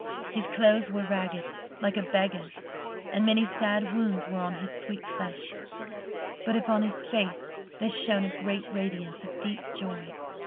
His clothes were ragged, like a beggar's, and many sad wounds were on his sweet flesh, but upon his face there shone a great radiance of deep joy.